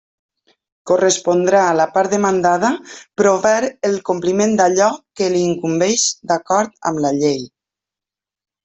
Correspondrà a la part demandada provar el compliment d'allò que li incumbeix d'acord amb la llei.